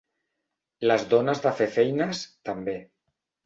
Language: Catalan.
Les dones de fer feines, també.